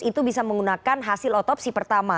itu bisa menggunakan hasil otopsi pertama